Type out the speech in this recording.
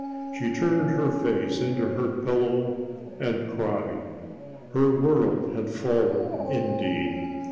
she turned her face into her pillow and cried. Her world had fallen indeed.